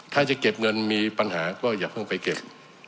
ถ้าจะเก็บเงินมีปัญหาก็อย่าเพิ่งไปเก็บ